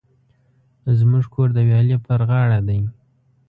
زموژ کور د ویالی په غاړه دی